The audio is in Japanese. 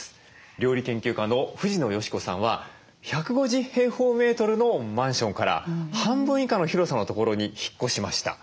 料理研究家の藤野嘉子さんは１５０のマンションから半分以下の広さの所に引っ越しました。